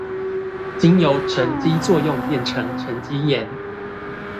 經由沈積作用變成沈積岩